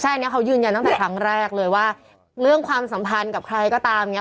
ใช่อันนี้เขายืนยันตั้งแต่ครั้งแรกเลยว่าเรื่องความสัมพันธ์กับใครก็ตามเนี่ย